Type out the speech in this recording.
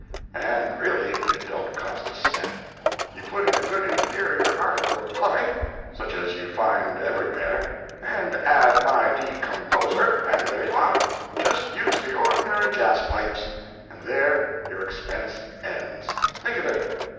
And really, it don't cost a cent. You put in a good inferior article of plumbing,—such as you find everywhere—and add my decomposer, and there you are. Just use the ordinary gas pipes—and there your expense ends. Think of it.